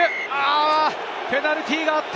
ペナルティーがあった！